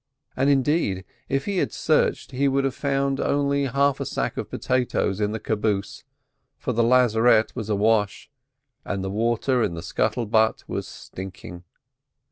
And, indeed, if he had searched he would have found only half a sack of potatoes in the caboose, for the lazarette was awash, and the water in the scuttle butt was stinking.